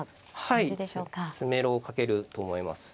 はい詰めろをかけると思います。